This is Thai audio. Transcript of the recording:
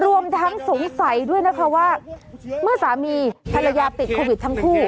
รวมทั้งสงสัยด้วยนะคะว่าเมื่อสามีภรรยาติดโควิดทั้งคู่